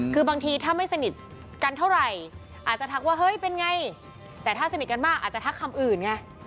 คือบางทีถ้าไม่สนิทกันเท่าไหร่อาจจะทักว่าเฮ้ยเป็นไงแต่ถ้าสนิทกันมากอาจจะทักคำอื่นไง